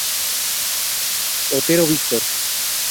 Otero Victor.